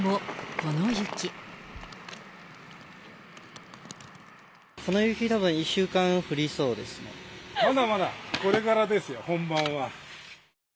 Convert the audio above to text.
この雪、たぶん、まだまだ、これからですよ、本番は。